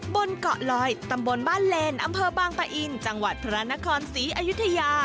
บนเกาะลอยตำบลบ้านเลนอำเภอบางปะอินจังหวัดพระนครศรีอยุธยา